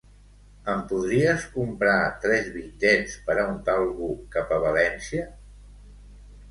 Em podries comprar tres bitllets per un Talgo cap a València?